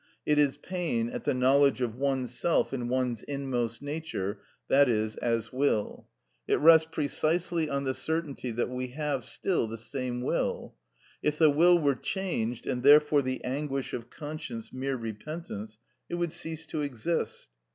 It is pain at the knowledge of oneself in one's inmost nature, i.e., as will. It rests precisely on the certainty that we have still the same will. If the will were changed, and therefore the anguish of conscience mere repentance, it would cease to exist.